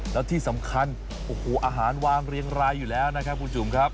แล้วที่สำคัญโอ้โหอาหารวางเรียงรายอยู่แล้วนะครับคุณจุ๋มครับ